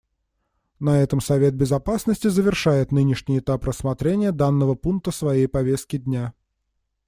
На этом Совет Безопасности завершает нынешний этап рассмотрения данного пункта своей повестки дня.